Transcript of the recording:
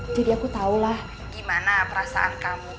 jadi aku tau lah gimana perasaan kamu